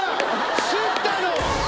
すったの！